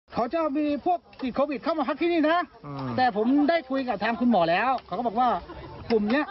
มันไปทั่วประเทศไทยและไม่ว่าประเทศไทย